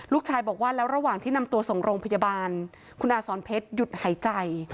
ลูกชายบอกว่าแล้วระหว่างที่นำตัวส่งโรงพยาบาลคุณอาสอนเพชรหยุดหายใจ